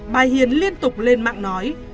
bà hiền liên tục lên mạng nói